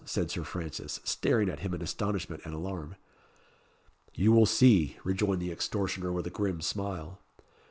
said Sir Francis, staring at him in astonishment and alarm. "You will see," rejoined the extortioner with a grim smile.